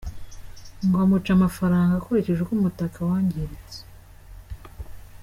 Ngo amuca amafaranga akurikije uko umutaka wangiritse.